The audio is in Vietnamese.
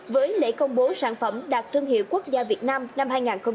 với lễ công bố sản phẩm đạt thương hiệu quốc gia việt nam năm hai nghìn hai mươi